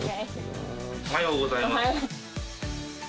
おはようございます。